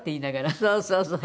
そうそうそうそう。